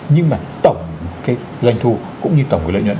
nhưng mà tổng doanh thu cũng như tổng lợi nhuận